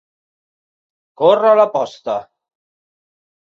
Córrer la posta.